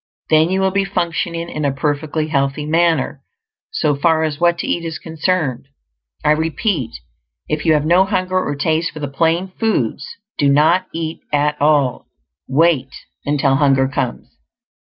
Then you will be functioning in a perfectly healthy manner, so far as what to eat is concerned. I repeat, if you have no hunger or taste for the plain foods, do not eat at all; wait until hunger comes.